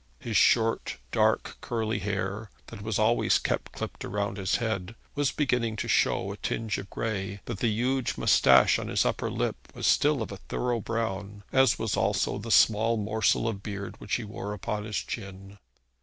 His short, dark, curly hair that was always kept clipped round his head was beginning to show a tinge of gray, but the huge moustache on his upper lip was still of a thorough brown, as was also the small morsel of beard which he wore upon his chin.